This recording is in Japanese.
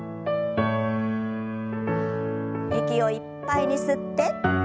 息をいっぱいに吸って。